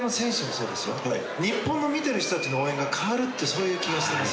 日本の見てる人たちの応援が変わるってそういう気がしてます。